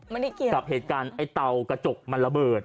เกี่ยวกับเหตุการณ์ไอ้เตากระจกมันระเบิด